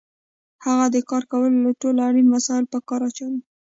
هغه د کار لپاره ټول اړین وسایل په کار اچوي